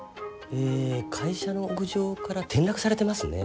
会社の屋上から転落されてますね。